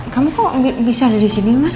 kamu kok bisa ada disini mas